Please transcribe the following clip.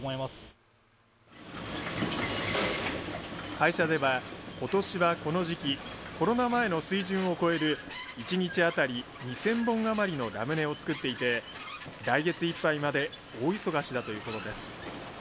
会社ではことしはこの時期コロナ前の水準を超える１日当たり２０００本余りのラムネを作っていて来月いっぱいまで大忙しだということです。